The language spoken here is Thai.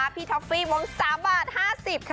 พี่ท็อปฟี่วง๓บาท๕๐บาทค่ะ